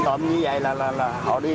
còn như vậy là họ đi lại họ té liên tục